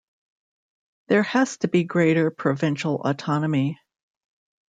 There has to be greater provincial autonomy.